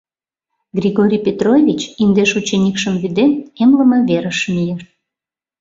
Григорий Петрович, индеш ученикшым вӱден, эмлыме верыш мийыш.